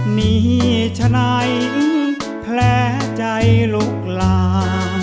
หนีชะนายแพร่ใจลูกลา